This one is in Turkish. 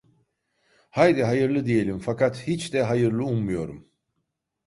Haydi hayırlı diyelim - Fakat hiç de hayırlı ummuyorum.